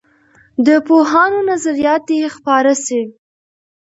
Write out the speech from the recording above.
د پوهانو نظریات دې خپاره سي.